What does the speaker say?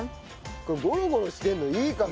これゴロゴロしてるのいいかも。